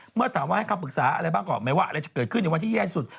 เมื่อถามว่าให้คำปรึกษาอะไรบ้างก่อนไหมว่าอะไรจะเกิดขึ้นในวันที่แย่สุด